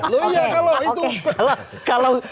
loh iya kalau itu